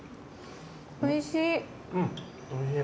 おいしい。